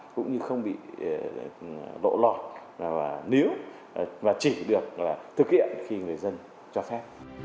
cũng như không bị lộ lọt níu và chỉ được thực hiện khi người dân cho phép